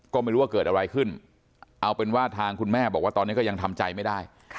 ก็ไม่รู้ว่าเกิดอะไรขึ้นเอาเป็นว่าทางคุณแม่บอกว่าตอนนี้ก็ยังทำใจไม่ได้